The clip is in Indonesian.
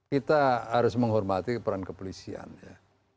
kita harus menghormati peran kepolisian ya